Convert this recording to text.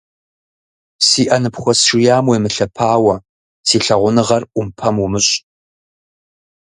Си ӏэ ныпхуэсшиям уемылъэпауэ, си лъагуныгъэр ӏумпэм умыщӏ.